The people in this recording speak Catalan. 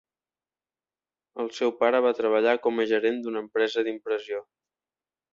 El seu pare va treballar com a gerent d'una empresa d'impressió.